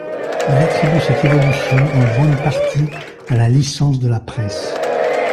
Il attribue cette évolution en grande partie à la licence de la presse.